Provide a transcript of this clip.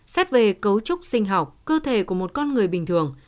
xét về cấu trúc sinh học cơ thể của một con người bình thường